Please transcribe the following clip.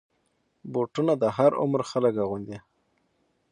بوټونه د هر عمر خلک اغوندي.